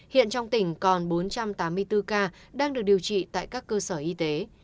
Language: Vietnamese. hiện trong tỉnh còn bốn trăm tám mươi bốn ca đang được điều trị tại các cơ sở y tế